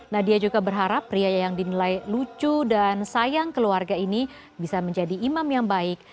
nadia juga berharap pria yang dinilai lucu dan sayang keluarga ini bisa menjadi imam yang baik